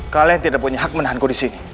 kalian tidak punya hak menahan ku disini